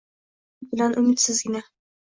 Tiriklikka umid bilan umidsizgina.